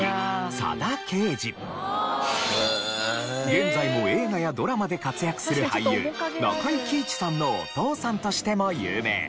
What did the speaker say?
現在も映画やドラマで活躍する俳優中井貴一さんのお父さんとしても有名。